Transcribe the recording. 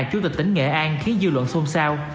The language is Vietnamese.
chủ tịch tỉnh nghệ an khiến dư luận xôn xao